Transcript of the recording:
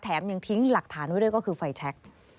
ยังทิ้งหลักฐานไว้ด้วยก็คือไฟแชค